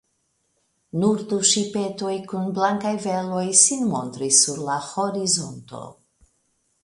Nur du ŝipetoj kun blankaj veloj sin montris sur la horizonto.